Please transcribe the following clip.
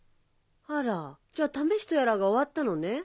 あらじゃあ「試し」とやらが終わったのね。